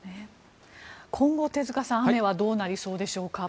今後、手塚さん雨はどうなりそうでしょうか。